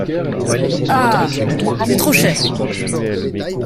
Ah ! c’est trop cher !